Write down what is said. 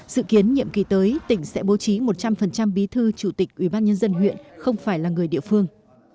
dự kiến nhiệm kỳ tới tỉnh sẽ bố trí một trăm linh bí thư chủ tịch ubnd huyện không phải là người địa phương